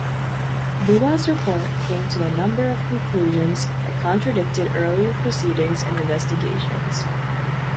Bua's report came to a number of conclusions that contradicted earlier proceedings and investigations.